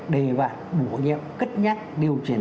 đề vạt bổ nhiệm cất nhắc điều triển